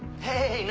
はい。